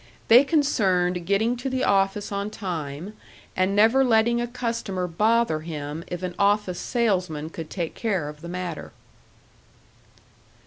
They concerned getting to the office on time, and never letting a customer bother him if an office salesman could take care of the matter.